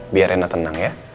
biar rena tenang ya